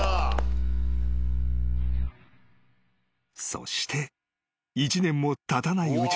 ［そして１年もたたないうちに］